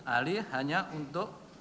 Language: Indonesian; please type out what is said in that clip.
ahli hanya untuk